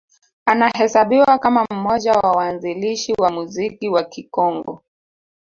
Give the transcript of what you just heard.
Anahesabiwa kama mmoja wa waanzilishi wa muziki wa Kikongo